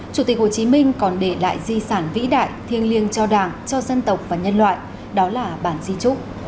chủ tịch hồ chí minh còn để lại di sản vĩ đại thiêng liêng cho đảng cho dân tộc và nhân loại đó là bản di trúc